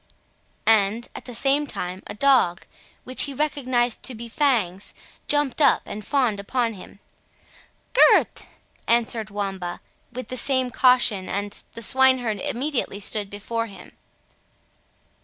and, at the same time, a dog, which he recognised to be Fangs, jumped up and fawned upon him. "Gurth!" answered Wamba, with the same caution, and the swineherd immediately stood before him.